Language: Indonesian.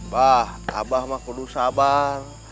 pak abah mah kudu sabar